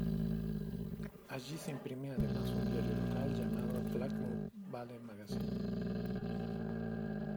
Allí se imprime además un diario local llamado "Blackmore Vale Magazine".